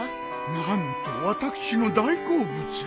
何と私の大好物。